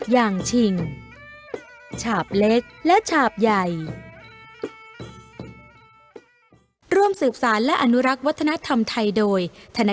อย่างชิงฉาบเล็กและฉาบใหญ่